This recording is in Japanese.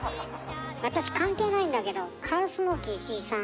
私関係ないんだけどカールスモーキー石井さん